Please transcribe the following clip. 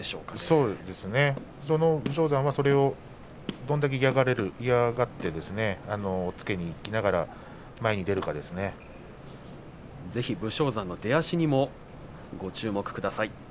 そうですね武将山はそれをどれだけ嫌がって押っつけにいきながらぜひ武将山の出足にもご注目ください。